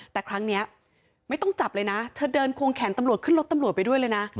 แต่ครั้งนี้ไม่ต้องจับเลยนะเธอเดินควงแขนตำรวจขึ้นรถตำรวจไปด้วยเลยนะ